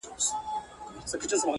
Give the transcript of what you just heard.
o ز ماپر حا ل باندي ژړا مه كوه؛